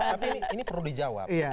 tapi ini perlu dijawab